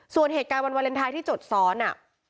ส่วนเหตุการณ์วันวาเลนไทยที่จดซ้อน